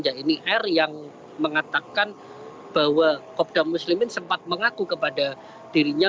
ya ini r yang mengatakan bahwa kopda muslimin sempat mengaku kepada dirinya